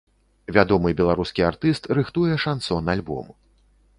Вядомы беларускі артыст рыхтуе шансон-альбом.